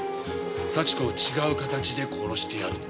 幸子を違う形で殺してやるって。